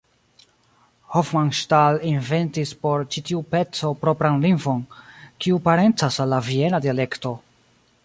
Hofmannsthal inventis por ĉi tiu peco propran lingvon, kiu parencas al la viena dialekto.